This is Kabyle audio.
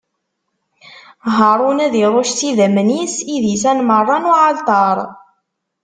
Haṛun ad iṛucc s idammen-is idisan meṛṛa n uɛalṭar.